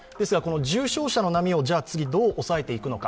重症者の波をどう抑えていくのか。